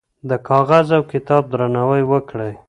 د کاغذ او کتاب درناوی وکړئ.